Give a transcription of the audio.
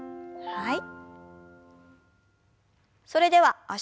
はい。